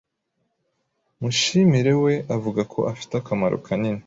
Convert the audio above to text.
Mushimire we avuga ko ifite akamaro kanini